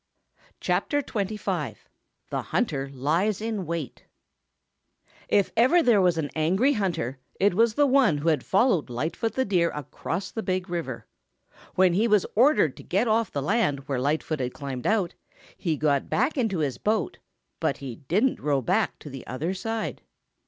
CHAPTER XXV THE HUNTER LIES IN WAIT If ever there was an angry hunter, it was the one who had followed Lightfoot the Deer across the Big River. When he was ordered to get off the land where Lightfoot had climbed out, he got back into his boat, but he didn't row back to the other side.